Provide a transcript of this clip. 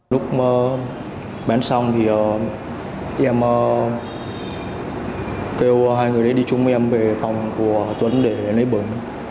lúc bén xong thì em kêu hai người đấy đi chung em về phòng của tuấn để lấy bẩn